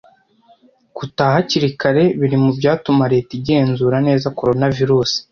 Gutaha hakiri kare biri mubyatuma Leta igenzura neza coronavirus.